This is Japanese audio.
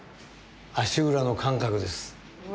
足裏の感覚です